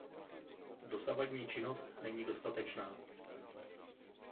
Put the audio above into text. Dosavadní činnost není dostatečná.